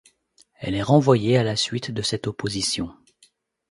Il est renvoyé à la suite de cette opposition.